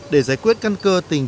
để giải quyết căn cơ tình trạng